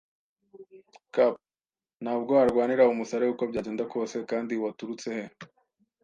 cap. “Ntabwo arwanira umusare uko byagenda kose. Kandi waturutse he? ”